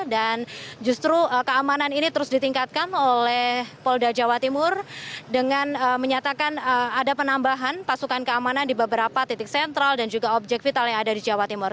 dan justru keamanan ini terus ditingkatkan oleh kapolda jawa timur dengan menyatakan ada penambahan pasukan keamanan di beberapa titik sentral dan juga objek vital yang ada di jawa timur